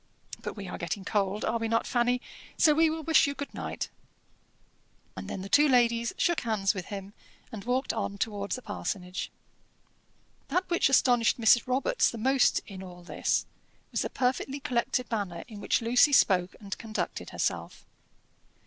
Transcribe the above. But we are getting cold are we not, Fanny? so we will wish you good night." And then the two ladies shook hands with him, and walked on towards the parsonage. That which astonished Mrs. Robarts the most in all this was the perfectly collected manner in which Lucy spoke and conducted herself.